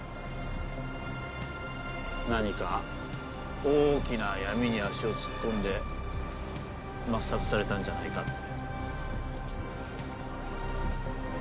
何か大きな闇に足を突っ込んで抹殺されたんじゃないかって。